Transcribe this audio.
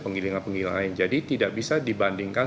penggilingan penggilingan lain jadi tidak bisa dibandingkan